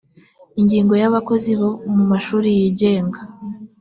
ingingo ya abakozi bo mu mashuri yigenga